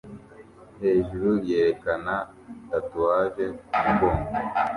hejuru yerekana tatuwaje kumugongo